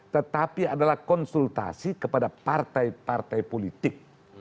tetapi adalah konsultasi kepada partai partai politik